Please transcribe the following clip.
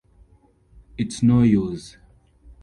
It's no use!